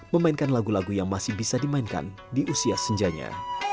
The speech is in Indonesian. memainkan lagu lagu yang masih bisa dimainkan di usia senjanya